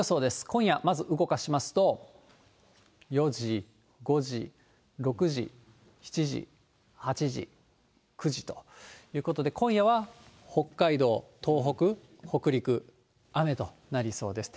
今夜、まず動かしますと、４時、５時、６時、７時、８時、９時ということで、今夜は北海道、東北、北陸、雨となりそうです。